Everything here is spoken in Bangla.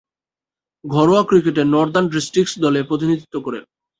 ঘরোয়া ক্রিকেটে নর্দার্ন ডিস্ট্রিক্টস দলে প্রতিনিধিত্ব করছেন।